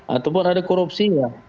ataupun ada korupsi ya